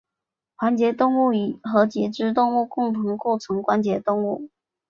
环节动物和节肢动物共同构成关节动物。